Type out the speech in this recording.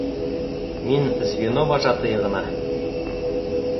Мин звено вожатыйы ғына.